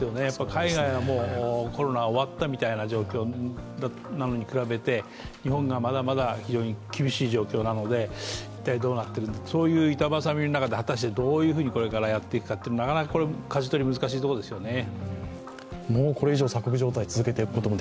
海外はもうコロナは終わったみたいな状況なのに比べて日本がまだまだ厳しい状況なので一体どうなっているのかとそういう板挟みの中で果たしてこれからどうやってやっていくのか、なかなかかじ取りは難しいところですね。